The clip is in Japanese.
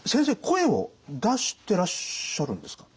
声を出してらっしゃるんですか？